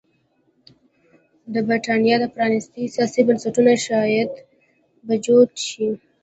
د برېټانیا د پرانېستو سیاسي بنسټونو شالید به جوت شي.